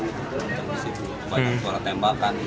banyak suara tembakan